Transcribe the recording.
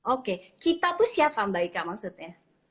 oke kita tuh siapa mbak ika maksudnya